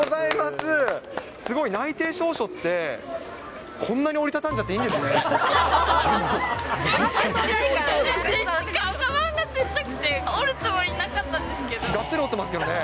すごい、内定証書って、こんなに折り畳んじゃっていいんですね。